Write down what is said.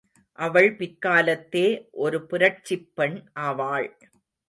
அவள் பிற்காலத்தே ஒரு புரட்சிப் பெண் ஆவாள்.